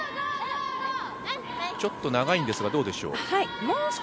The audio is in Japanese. ちょっと長いんですが、どうでしょう？